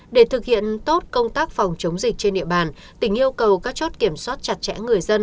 để thực hiện tốt công tác phòng chống dịch trên địa bàn tỉnh yêu cầu các chốt kiểm soát chặt chẽ người dân